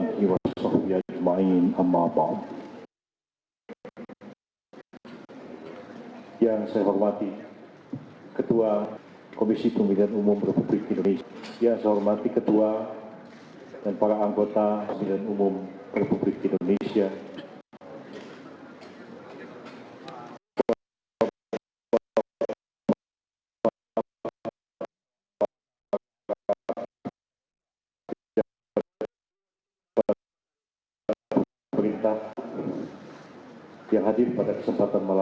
diberikan kepada bawaslu